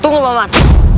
tunggu pak man